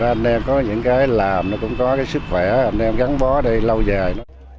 anh em có những cái làm nó cũng có cái sức khỏe anh em gắn bó đây lâu dài